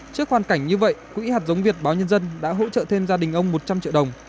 trước hoàn cảnh như vậy quỹ hạt giống việt báo nhân dân đã hỗ trợ thêm gia đình ông một trăm linh triệu đồng